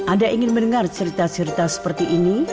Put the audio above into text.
anda ingin mendengar cerita cerita seperti ini